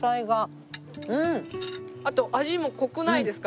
あと味も濃くないですか？